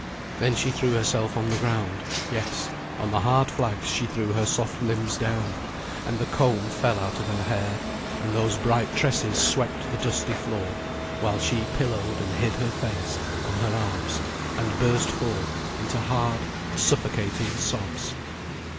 Then she threw herself on the ground, yes, on the hard flags she threw her soft limbs down; and the comb fell out of her hair, and those bright tresses swept the dusty floor, while she pillowed and hid her face on her arms, and burst forth into hard, suffocating sobs.